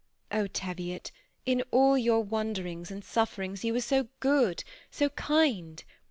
Oh, Teviot, in all your wanderings and sufferings, you were so good, so kind